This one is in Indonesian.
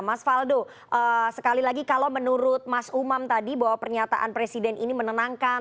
mas faldo sekali lagi kalau menurut mas umam tadi bahwa pernyataan presiden ini menenangkan